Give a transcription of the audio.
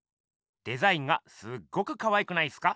デザインがすっごくかわいくないっすか？